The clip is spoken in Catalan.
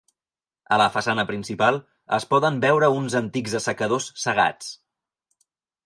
A la façana principal, es poden veure uns antics assecadors cegats.